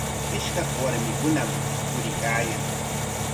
Ishkaq warmikunam puriykaayan.